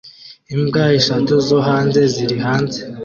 Imbwa eshatu zo hanze ziri hanze